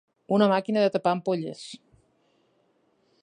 Una màquina de tapar ampolles.